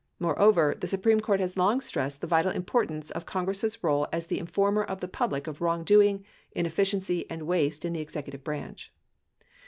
Moreover, the Supreme Court has long stressed the vital importance of Congress' role as the informer of the public of wrongdoing, inefficiency, and waste in the executive branch.